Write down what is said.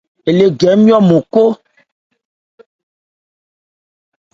Ɛ lé gɛ ńmyɔ́ ɔ́nmɔn khɔ.